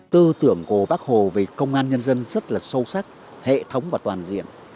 tư tưởng của bác hồ về công an nhân dân rất là sâu sắc hệ thống và toàn diện